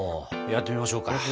やってみましょうか。